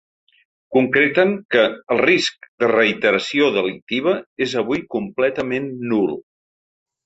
Concreten que ‘el risc de reiteració delictiva és avui completament nul’.